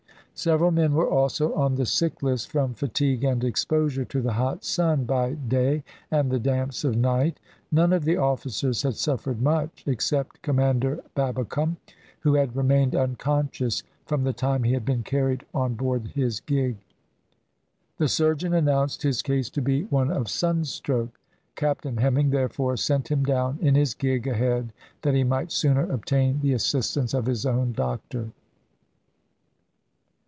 Several men were also on the sick list from fatigue and exposure to the hot sun by day and the damps of night. None of the officers had suffered much except Commander Babbicome, who had remained unconscious from the time he had been carried on board his gig. The surgeon announced his case to be one of sunstroke; Captain Hemming, therefore, sent him down in his gig ahead that he might sooner obtain the assistance of his own doctor.